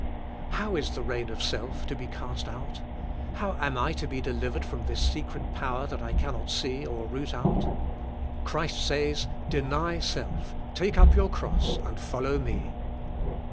How is the reign of self to be cast out? How am I to be delivered from this secret povv^er that I cannot see or root out? Christ says, "Deny self, take up your cross and fol low me."